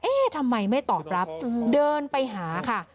ทำไมไม่ตอบรับเดินไปหาค่ะ